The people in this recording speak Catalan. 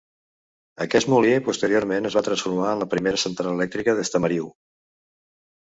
Aquest molí posteriorment es va transformar en la primera central elèctrica d'Estamariu.